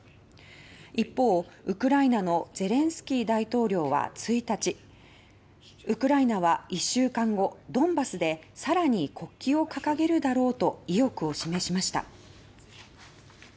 一方、ウクライナのゼレンスキー大統領は１日ウクライナは１週間後ドンバスでさらに国旗を掲げるだろうと意欲を示しました。